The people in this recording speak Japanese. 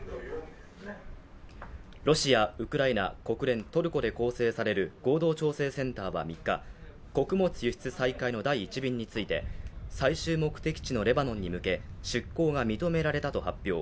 ロシア、ウクライナ、国連、トルコで構成される合同調整センターは３日、穀物輸出再開の第１便について、最終目的地のレバノンに向け出港が認められたと発表。